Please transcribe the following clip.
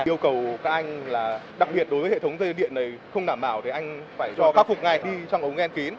yêu cầu các anh là đặc biệt đối với hệ thống dây điện này không đảm bảo thì anh phải cho pháp phục ngay đi trong ống ghen kín